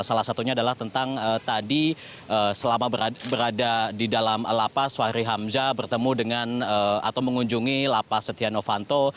salah satunya adalah tentang tadi selama berada di dalam lapas fahri hamzah bertemu dengan atau mengunjungi lapas setia novanto